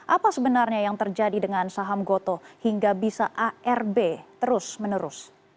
apa sebenarnya yang terjadi dengan saham goto hingga bisa arb terus menerus